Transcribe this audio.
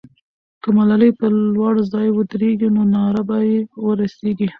که ملالۍ پر لوړ ځای ودرېږي، نو ناره به یې ورسېږي.